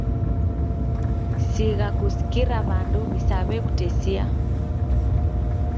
Sigha kusikira w'andu wisaw'ekutesia.